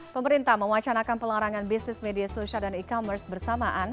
pemerintah mewacanakan pelarangan bisnis media sosial dan e commerce bersamaan